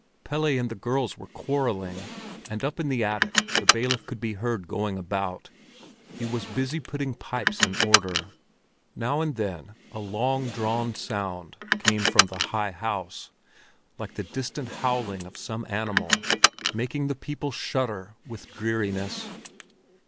Pelle and the girls were quarreling, and up in the attic the bailiff could be heard going about; he was busy putting pipes in order. Now and then a long drawn sound came from the high house, like the distant howling of some animal, making the people shudder with dreariness.